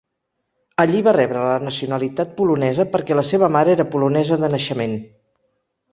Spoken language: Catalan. Allí va rebre la nacionalitat polonesa, perquè la seva mare era polonesa de naixement.